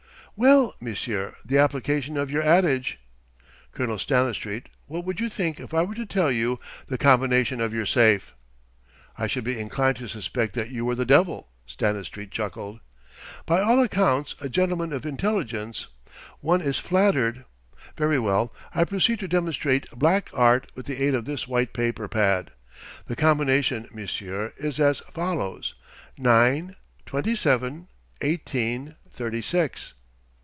"Well, monsieur: the application of your adage?" "Colonel Stanistreet, what would you think if I were to tell you the combination of your safe?" "I should be inclined to suspect that you were the devil," Stanistreet chuckled. "By all accounts a gentleman of intelligence: one is flattered.... Very well: I proceed to demonstrate black art with the aid of this white paper pad. The combination, monsieur, is as follows: nine, twenty seven, eighteen, thirty six."